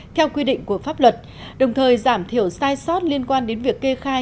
theo quy định của pháp luật đồng thời giảm thiểu sai sót liên quan đến việc kê khai